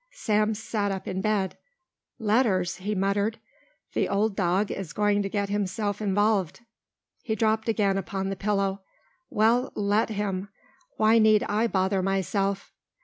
Sam sat up in bed. "Letters!" he muttered. "The old dog is going to get himself involved." He dropped again upon the pillow. "Well, let him. Why need I bother myself?"